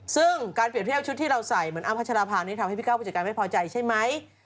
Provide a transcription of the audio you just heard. ซึ่งการเปรียบเทียบชุดที่เราใส่เหมือนอ้ำพัชราภานี้ทำให้พี่ก้าวผู้จัดการไม่พอใจใช่ไหม